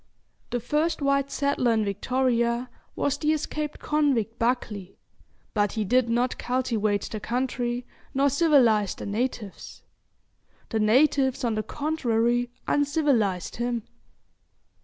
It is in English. The first white settler in Victoria was the escaped convict Buckley; but he did not cultivate the country, nor civilise the natives. The natives, on the contrary, uncivilised him.